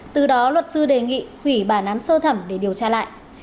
từ đó luật sư đề nghị hủy bản án sơ thẩm để điều tra lại